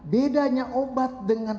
bedanya obat dengan